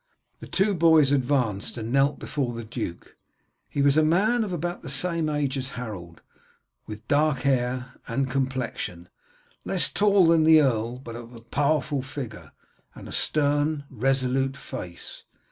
The two boys advanced and knelt before the duke. He was a man of about the same age as Harold, with dark hair and complexion, less tall than the earl, but of a powerful figure, and a stern, resolute face.